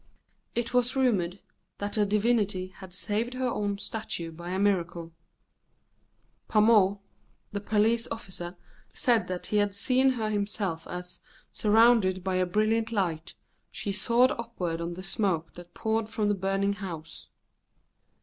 It was rumoured that the divinity had saved her own statue by a miracle; Pamaut, the police officer, said that he had seen her himself as, surrounded by a brilliant light, she soared upward on the smoke that poured from the burning house.